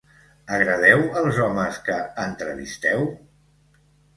Agradeu als homes que entrevisteu?